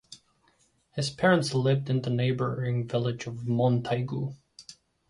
His parents lived in the neighbouring village of Montaigu.